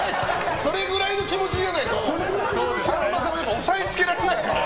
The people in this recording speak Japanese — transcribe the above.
それくらいの気持ちじゃないとさんまさんは押さえつけられないから。